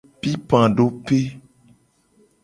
Pipadope.